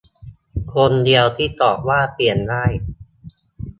คนเดียวที่ตอบว่าเปลี่ยนได้